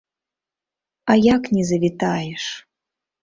А як не завітаеш!